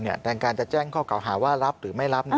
ในการจะแจ้งเขาเขาหาว่ารับหรือไม่รับ